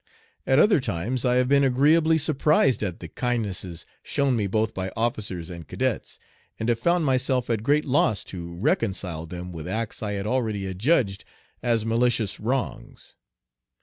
At other times I have been agreeably surprised at the kindnesses shown me both by officers and cadets, and have found myself at great loss to reconcile them with acts I had already adjudged as malicious wrongs.